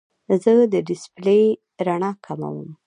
زه د ډیسپلې رڼا کموم.